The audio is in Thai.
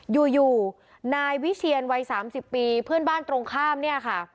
อยู่อยู่นายวิเชียนวัย๓๐ปีเพื่อนบ้านตรงข้ามเนี่ยค่ะ